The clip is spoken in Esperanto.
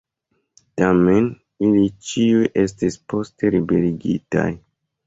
Tamen, ili ĉiuj estis poste liberigitaj.